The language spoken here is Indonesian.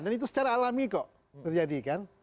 dan itu secara alami kok terjadi kan